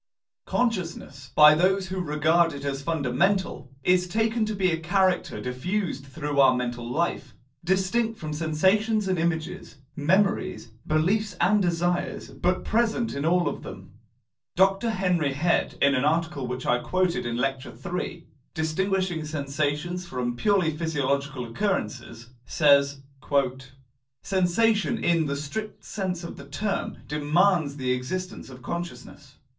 "Consciousness," by those who regard it as fundamental, is taken to be a character diffused throughout our mental life, distinct from sensations and images, memories, beliefs and desires, but present in all of them.* Dr. Henry Head, in an article which I quoted in Lecture III, distinguishing sensations from purely physiological occurrences, says: "Sensation, in the strict sense of the term, demands the existence of consciousness."